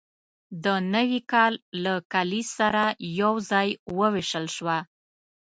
د نوي کال له کلیز سره یوځای وویشل شوه.